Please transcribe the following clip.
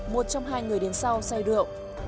một trong hai người đến sau say rượu